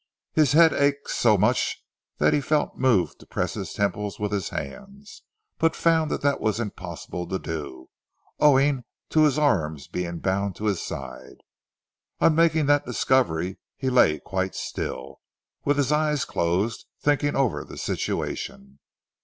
His head ached so much that he felt moved to press his temples with his hands, but found that it was impossible to do so, owing to his arms being bound to his side. On making that discovery, he lay quite still, with his eyes closed, thinking over the situation.